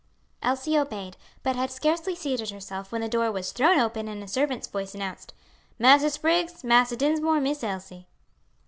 Elsie obeyed, but had scarcely seated herself when the door was thrown open and a servant's voice announced, "Massa Spriggs, Massa Dinsmore and Miss Elsie."